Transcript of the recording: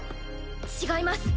違います。